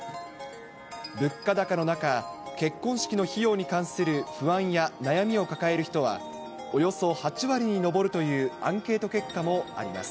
物価高の中、結婚式の費用に関する不安や悩みを抱える人は、およそ８割に上るというアンケート結果もあります。